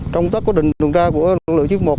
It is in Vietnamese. trong tác quá trình tuần tra của lực lượng chiếc một